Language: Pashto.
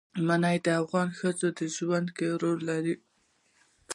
منی د افغان ښځو په ژوند کې رول لري.